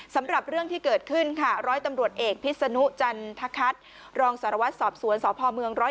สำหรับเรื่องที่เกิดขึ้นค่ะร้อยตำรวจเอกพิษนุจันทคัทรองสารวัตรสอบสวนสพเมือง๑๐๑